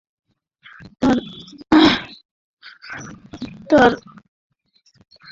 তার মগজের মধ্যে মিল-বেন্থামের অগ্নিকাণ্ড ঘটিয়া সে যেন নাস্তিকতার মশালের মতো জ্বলিতে লাগিল।